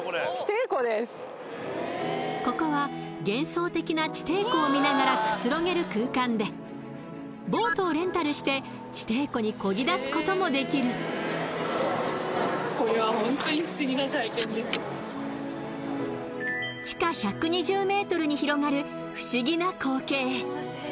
ここは幻想的な地底湖を見ながらくつろげる空間でボートをレンタルして地底湖にこぎだすこともできる地下１２０ｍに広がる不思議な光景